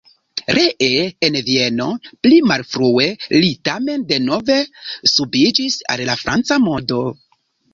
Ree en Vieno pli malfrue li tamen denove subiĝis al la franca modo.